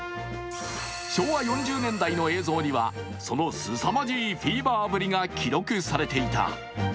昭和４０年代の映像にはそのすさまじいフィーバーぶりが記録されていた。